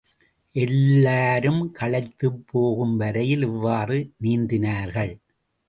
எல்லாரும் களைத்துப்போகும் வரையில் இவ்வாறு நீந்தினார்கள்.